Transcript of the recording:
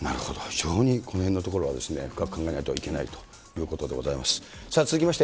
非常にこのへんのところは深く考えないといけないということでございます。